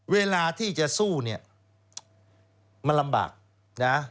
เวลาที่จะสู้เนี่ยมันลำบากนะ